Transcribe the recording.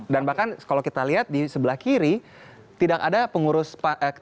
dan bahkan kalau kita lihat di sebelah kiri tidak ada pengurus tidak ada pengurus